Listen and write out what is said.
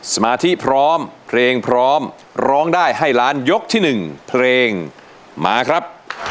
สมาธิพร้อมเพลงพร้อมร้องได้ให้ล้านยกที่๑เพลงมาครับ